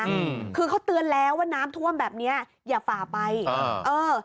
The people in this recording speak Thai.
อืมคือเขาเตือนแล้วว่าน้ำท่วมแบบเนี้ยอย่าฝ่าไปเออเออ